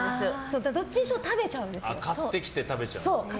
どっちにしろ食べちゃうんですよ。